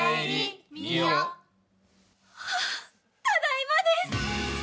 ただいまです！